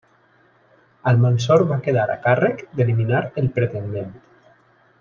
Almansor va quedar a càrrec d'eliminar el pretendent.